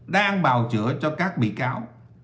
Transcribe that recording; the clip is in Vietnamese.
đang bào chữa cho các bị cáo